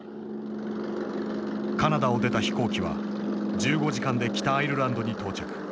カナダを出た飛行機は１５時間で北アイルランドに到着。